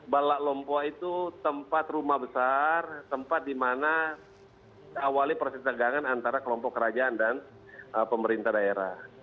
balak lombok itu tempat rumah besar tempat di mana awali proses tegangan antara kelompok kerajaan dan pemerintah daerah